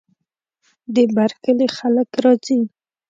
د بر کلي خلک راځي.